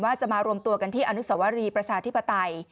จะมารวมตัวกันที่อนุสวรีประชาธิปไตย